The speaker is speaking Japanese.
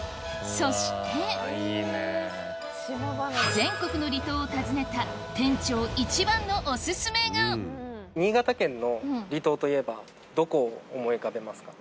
そして全国の離島を訪ねた店長一番のお薦めがどこを思い浮かべますか？